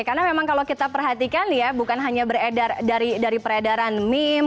karena memang kalau kita perhatikan ya bukan hanya dari peredaran meme